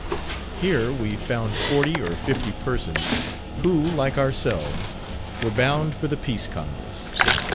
Here we found forty or fifty persons, who, like ourselves, were bound for the Peace Congress.